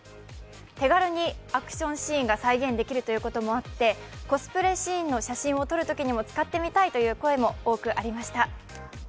手軽にアクションシーンが再現できるということもあってコスプレシーンの写真を撮るときにも使ってみたいという声も多くありました。